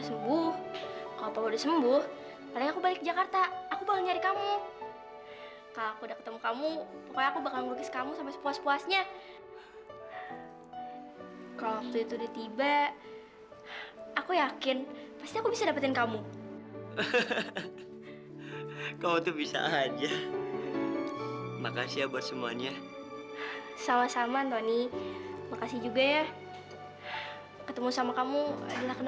saya nggak pernah ngambil barang apapun kalau di sini saya nggak pernah nyuri apapun